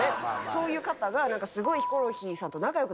そういう方がすごいヒコロヒーさんと。